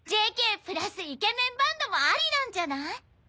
ＪＫプラスイケメンバンドもありなんじゃない？